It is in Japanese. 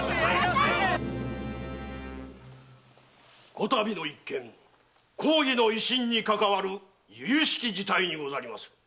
此度の一件公儀の威信にかかわる由々しき事態にござりまする。